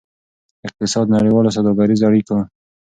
اقتصاد د نړیوالو سوداګریزو اړیک